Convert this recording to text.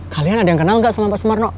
kalian ada yang kenal gak sama pak sumarno